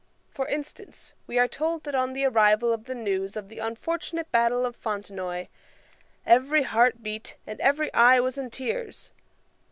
For instance, we are told that on the arrival of the news of the unfortunate battle of Fontenoy, every heart beat, and every eye was in tears.